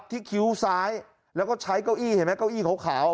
คิ้วซ้ายแล้วก็ใช้เก้าอี้เห็นไหมเก้าอี้ขาว